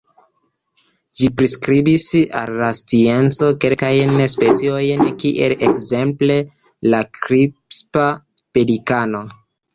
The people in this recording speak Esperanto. Ĝi priskribis al la scienco kelkajn speciojn kiel ekzemple la Krispa pelikano.